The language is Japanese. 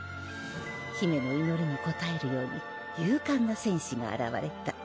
「姫のいのりにこたえるように勇敢な戦士があらわれた」